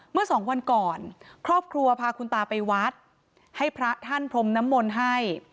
เมื่อสองวันก่อนครอบครัวพาคุณตาไปวัดให้พระท่านพรมน้ำมนต์ให้